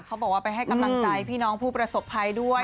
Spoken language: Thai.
เขาบอกว่าไปให้กำลังใจพี่น้องผู้ประสบภัยด้วย